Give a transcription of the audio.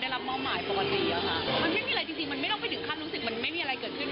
ถ้าคุณมานานผิดตังค์ก็เกินขวาที่คุณจะทำอะไรได้แล้ว